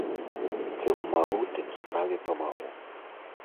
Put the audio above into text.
Чым магу, тым справе памагу.